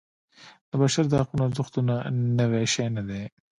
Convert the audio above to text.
د بشر د حقونو ارزښتونه نوی شی نه دی.